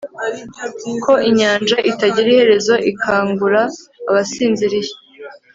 ko inyanja itagira iherezo ikangura abasinziriye